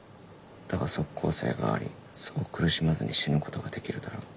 だが即効性がありそう苦しまずに死ぬことができるだろう」。